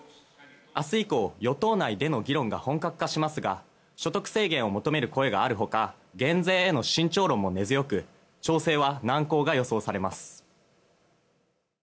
明日以降、与党内での議論が本格化しますが所得制限を求める声があるほか減税への慎重論も根強く調整は難航が予想されます。